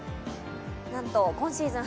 なんと今シーズン